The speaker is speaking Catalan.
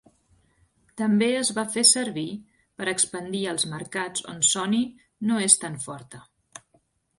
També es va fer servir per expandir als mercats on Sony no és tan forta.